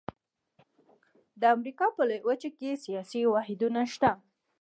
د امریکا په لویه وچه کې سیاسي واحدونه شته.